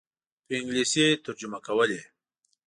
په انګلیسي ترجمه کولې.